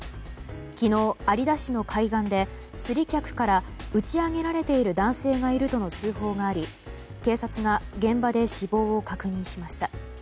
昨日、有田市の海岸で釣り客から打ち揚げられている男性がいるとの通報があり警察が現場で死亡が確認しました。